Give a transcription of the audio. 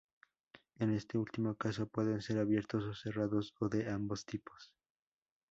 En este último caso, pueden ser abiertos o cerrados, o de ambos tipos.